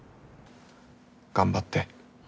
頑張って。